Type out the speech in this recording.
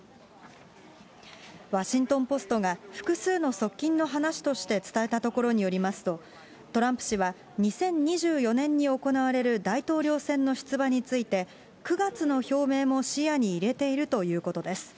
ワシントンポストが、複数の側近の話として伝えたところによりますと、トランプ氏は２０２４年に行われる大統領選の出馬について、９月の表明も視野に入れているということです。